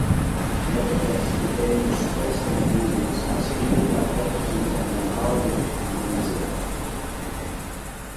The objects within the Skansen buildings are still the property of the Nordic Museum.